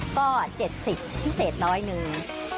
ก็เจ็ดสิบพิเศษน้อยหนึ่ง